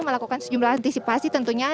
melakukan sejumlah antisipasi tentunya